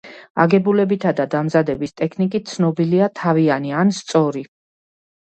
აგებულებითა და დამზადების ტექნიკით ცნობილია თავიანი ან სწორი.